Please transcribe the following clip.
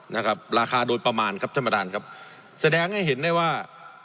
นะครับราคาโดยประมาณครับท่านประธานครับแสดงให้เห็นได้ว่า